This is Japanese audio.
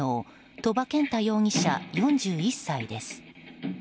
鳥場健太容疑者、４１歳です。